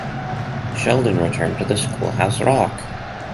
Sheldon returned to the Schoolhouse Rock!